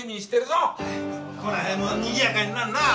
この辺もにぎやかになるなぁ。